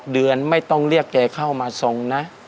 เดือนไม่ต้องเรียกแกเข้ามาทรงนะ